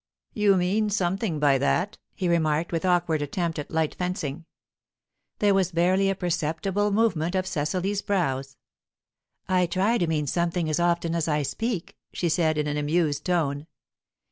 "You mean something by that," he remarked, with awkward attempt at light fencing. There was barely a perceptible movement of Cecily's brows. "I try to mean something as often as I speak," she said, in an amused tone.